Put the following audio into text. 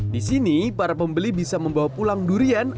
di sini para pembeli bisa membawa pulang durian